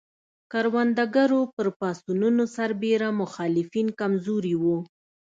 کروندګرو پر پاڅونونو سربېره مخالفین کم زوري وو.